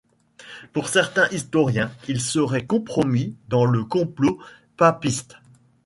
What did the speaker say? Pour certains historiens il serait compromis dans le complot papiste.